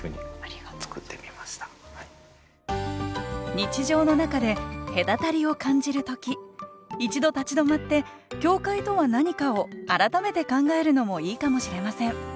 日常の中で隔たりを感じる時一度立ち止まって境界とは何かを改めて考えるのもいいかもしれません。